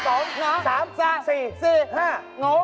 สองน้องสามสามสี่สี่ห้าโง